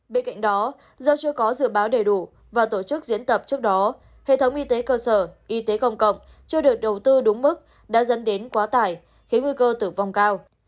bên cạnh đó do chưa có dự báo đầy đủ và tổ chức diễn tập trước đó hệ thống y tế cơ sở y tế công cộng chưa được đầu tư đúng mức đã dẫn đến quá tải khiến nguy cơ tử vong cao